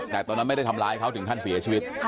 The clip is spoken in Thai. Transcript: แต่ตอนนั้นไม่ได้ทำร้ายเขาถึงขั้นเสียชีวิต